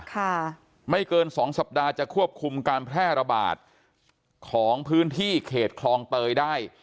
ค่ะไม่เกินสองสัปดาห์จะควบคุมการแพร่ระบาดของพื้นที่เขตคลองเตยได้